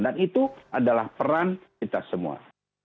dan itu adalah peran kita semua